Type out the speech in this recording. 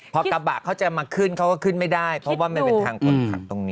พอกระบะเขาจะมาขึ้นเขาก็ขึ้นไม่ได้เพราะว่ามันเป็นทางคนขับตรงนี้